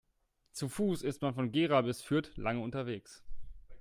Zu Fuß ist man von Gera bis Fürth lange unterwegs